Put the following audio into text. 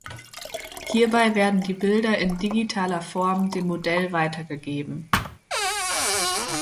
Hierbei werden die Bilder in digitaler Form dem Modell weitergegeben.